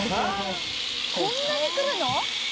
こんなに来るの？